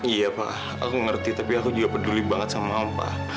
iya pak aku ngerti tapi aku juga peduli banget sama apa